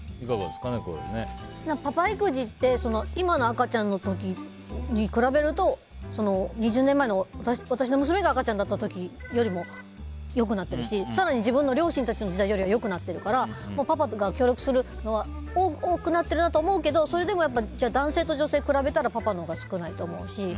パパ育児って今の赤ちゃんの時に比べると２０年前の私の娘が赤ちゃんだった時よりも良くなってるし更に自分の両親たちの時代よりは良くなってるからパパが協力するのは多くなってるなと思うけどそれでも男性と女性比べたらパパのほうが少ないと思うし。